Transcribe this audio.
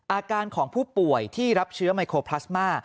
อาการของผู้ป่วยที่รับเชื้อไมโครพลาสมา